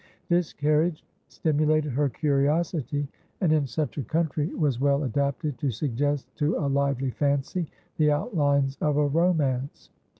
This carriage stimulated her curiosity, and, in such a country, was well adapted to suggest to a lively fancy the outlines of a romance.